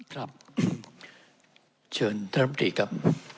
ครับเชิญดรสันติครับ